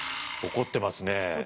怒ってますね。